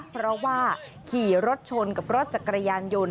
เพราะว่าขี่รถชนกับรถจักรยานยนต์